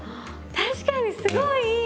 確かにすごいいい！